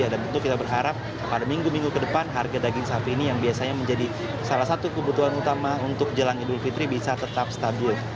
dan tentu kita berharap pada minggu minggu ke depan harga daging sapi ini yang biasanya menjadi salah satu kebutuhan utama untuk jalan hidup fitri bisa tetap stabil